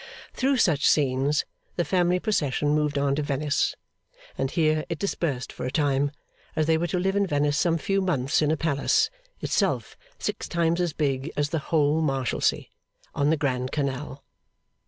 Through such scenes, the family procession moved on to Venice. And here it dispersed for a time, as they were to live in Venice some few months in a palace (itself six times as big as the whole Marshalsea) on the Grand Canal.